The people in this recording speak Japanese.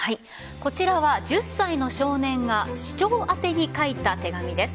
こちらは１０歳の少年が市長宛てに書いた手紙です。